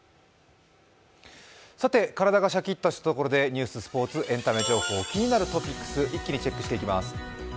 体がシャキッとしたところで、ニュース、スポーツ、エンタメ情報、気になるトピックスを一気にチェックしていきます。